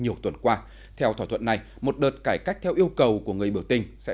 nhiều tuần qua theo thỏa thuận này một đợt cải cách theo yêu cầu của người biểu tình sẽ